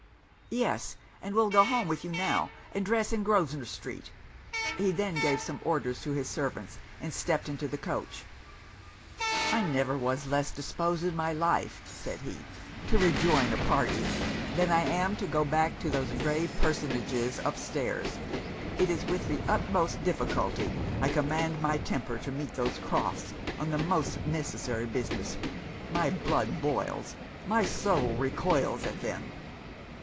'Yes; and will go home with you now, and dress in Grosvenor street.' He then gave some orders to his servants, and stepped into the coach. 'I never was less disposed in my life,' said he, 'to rejoin a party, than I am to go back to those grave personages up stairs: it is with the utmost difficulty I command my temper to meet those Crofts' on the most necessary business. My blood boils, my soul recoils at them!'